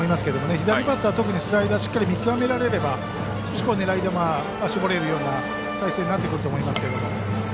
左バッターは特にスライダーしっかり見極められれば狙い球を絞れるような態勢になってくると思いますけども。